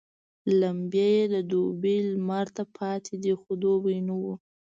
لمبې يې د دوبي لمر ته پاتېدې خو دوبی نه وو.